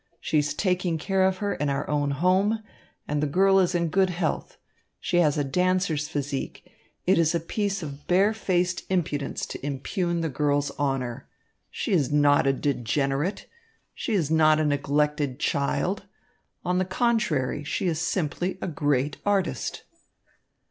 She is taking care of her in our own home, and the girl is in good health. She has a dancer's physique. It is a piece of bare faced impudence to impugn the girl's honour. She is not a degenerate. She is not a neglected child. On the contrary she is simply a great artist."